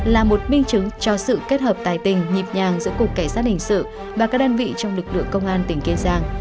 là một minh chứng cho sự kết hợp tài tình nhịp nhàng giữa cục cảnh sát hình sự và các đơn vị trong lực lượng công an tỉnh kiên giang